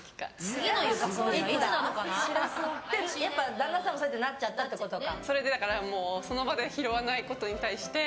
旦那さんもそうなっちゃったってことか。